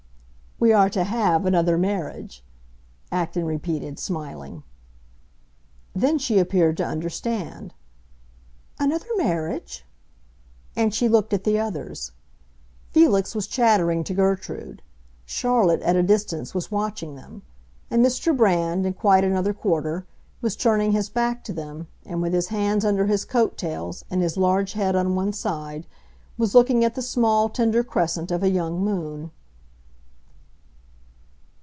"We are to have another marriage," Acton repeated, smiling. Then she appeared to understand. "Another marriage?" And she looked at the others. Felix was chattering to Gertrude; Charlotte, at a distance, was watching them; and Mr. Brand, in quite another quarter, was turning his back to them, and, with his hands under his coat tails and his large head on one side, was looking at the small, tender crescent of a young moon.